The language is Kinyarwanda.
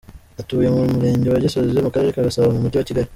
Atuye mu Murenge wa Gisozi mu Karere ka Gasabo mu mujyi wa Kigali.